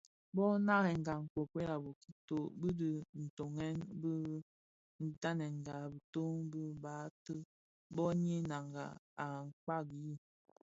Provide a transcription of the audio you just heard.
Bō narèn nkokuei a bokito bi dhi tondèn bi tanènga bitoň bi Bati (boni Nanga) bi Kpagi.